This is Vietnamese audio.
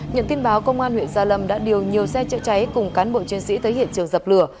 nhận tin báo công an huyện gia lâm đã điều nhiều xe chữa cháy cùng cán bộ chiến sĩ tới hiện trường dập lửa